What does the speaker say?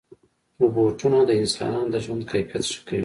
روبوټونه د انسانانو د ژوند کیفیت ښه کوي.